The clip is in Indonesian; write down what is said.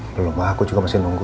belum aku juga masih nunggu